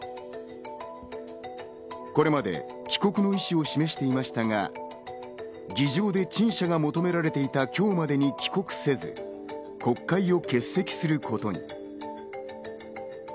これまで帰国の意思を示していましたが、議場で陳謝が求められていた今日までに帰国せず、国会を欠席することに。